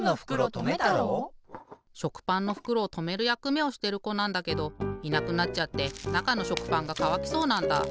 しょくパンのふくろをとめるやくめをしてるこなんだけどいなくなっちゃってなかのしょくパンがかわきそうなんだ。